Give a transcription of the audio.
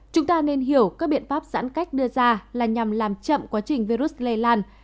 chúng ta nên hiểu các biện pháp giãn cách đưa ra là nhằm làm chậm quá trình virus lây lan